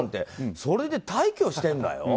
それで退去しているんだよ。